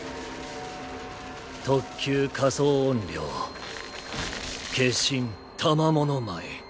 特級仮想怨霊化身玉藻前。